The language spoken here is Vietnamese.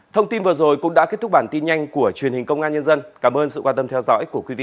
thông tin vừa rồi cũng đã kết thúc bản tin nhanh của truyền hình công an nhân dân cảm ơn sự quan tâm theo dõi của quý vị